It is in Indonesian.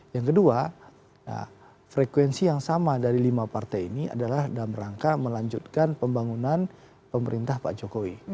yang kedua frekuensi yang sama dari lima partai ini adalah dalam rangka melanjutkan pembangunan pemerintah pak jokowi